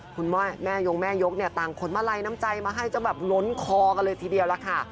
คุณแม่ยงแม่ยกเนี่ยต่างคนมาลัยน้ำใจมาให้เจ้าแบบล้นคอกันเลยทีเดียวล่ะค่ะ